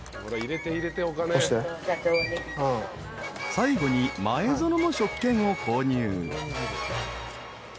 ［最後に前園も食券を購入］